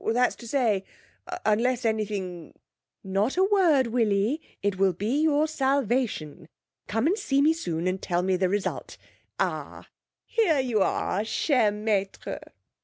That's to say, unless anything ' 'Not a word, Willie; it will be your salvation. Come and see me soon, and tell me the result. Ah! here you are, cher maître!'